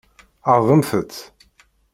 Ɛeṛḍemt-t.